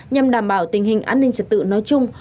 nhằm đảm bảo tình hình an ninh trật tự nói chung